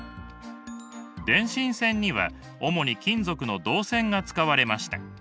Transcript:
電信線には主に金属の銅線が使われました。